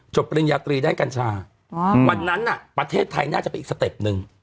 ปริญญาตรีด้านกัญชาวันนั้นน่ะประเทศไทยน่าจะเป็นอีกสเต็ปหนึ่ง